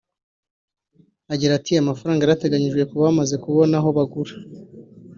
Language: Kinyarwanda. Agira ati “Amafaranga yarateganyijwe ku bamaze kubona aho bagura